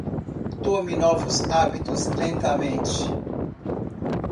Tome novos hábitos lentamente.